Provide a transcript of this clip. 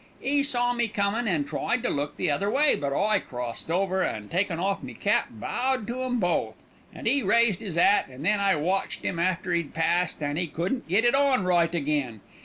'E saw me comin' and tried to look the other way, but I crossed over, and takin' off me cap bowed to 'em both, and 'e raised 'is 'at, and then I watched 'im after 'e'd passed, and 'e couldn't get it on right again.